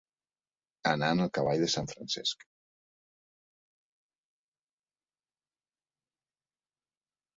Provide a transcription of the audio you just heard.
Anar en el cavall de sant Francesc.